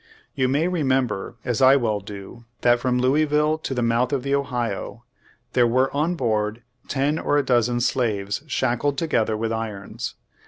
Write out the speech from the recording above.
You may remem ber, as I well do, that from Louisville to the mouth of the Ohio there were on board ten or a dozen slaves shackeled together with irons.